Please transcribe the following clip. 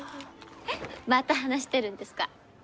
また話してるんですか？